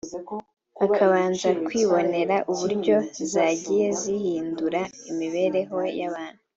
bakabanza kwibonera uburyo zagiye zihindura imibereho y’abantu